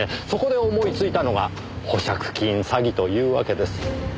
そこで思いついたのが保釈金詐欺というわけです。